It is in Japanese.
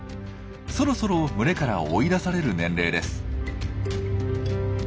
そろそろ群れから追い出される年齢です。